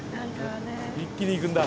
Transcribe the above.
一気にいくんだ？